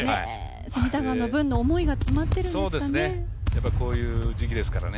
隅田川の分の思いが詰まってるんですかね。